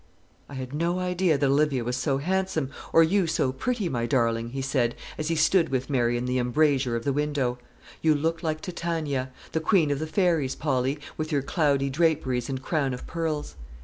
"I had no idea that Olivia was so handsome, or you so pretty, my darling," he said, as he stood with Mary in the embrasure of the window. "You look like Titania, the queen of the fairies, Polly, with your cloudy draperies and crown of pearls."